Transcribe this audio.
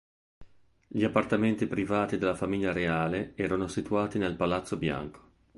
Gli appartamenti privati della famiglia reale erano situati nel "Palazzo Bianco".